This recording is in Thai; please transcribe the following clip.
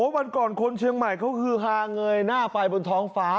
วันก่อนคนเชียงใหม่เขาฮือฮาเงยหน้าไปบนท้องฟ้า